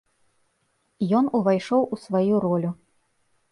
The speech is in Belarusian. Ён увайшоў у сваю ролю.